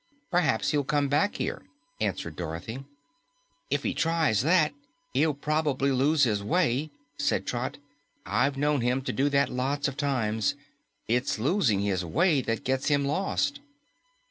"Perhaps he'll come back here," answered Dorothy. "If he tries that, he'll prob'ly lose his way," said Trot. "I've known him to do that lots of times. It's losing his way that gets him lost."